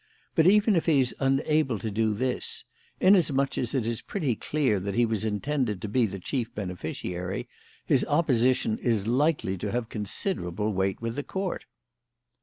But even if he is unable to do this, inasmuch as it is pretty clear that he was intended to be the chief beneficiary, his opposition is likely to have considerable weight with the Court."